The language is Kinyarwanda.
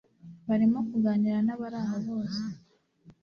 barimo kuganira nabaraho bose